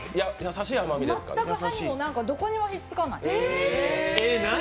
全く歯にもどこにもひっつかない。